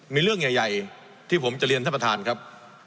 มีเรื่องใหญ่ที่ผมจะเรียนท่านประธานครับ